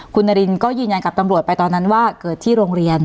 คุณนารินก็ยืนยันกับตำรวจไปตอนนั้นว่าเกิดที่โรงเรียน